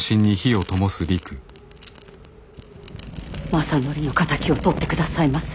政範の敵をとってくださいませ。